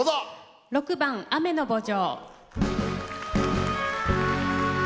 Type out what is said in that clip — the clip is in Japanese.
６番「雨の慕情」。